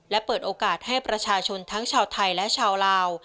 และเปิดโอกาสให้ประชาชนทั้งชาวไทยและชาวลาว